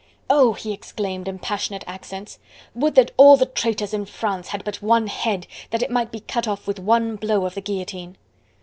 "Oh!" he exclaimed in passionate accents, "would that all the traitors in France had but one head, that it might be cut off with one blow of the guillotine!"